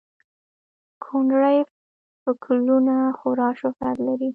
کونړي فکولونه خورا شهرت لري